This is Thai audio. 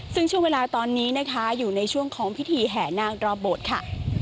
ซึ่งช่วงเวลาตอนนี้นะคะอยู่ในช่วงของพิธีแห่นาครอบโบสถ์ค่ะ